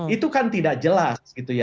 itu kan tidak jelas